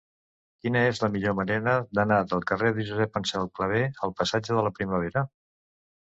Quina és la millor manera d'anar del carrer de Josep Anselm Clavé al passatge de la Primavera?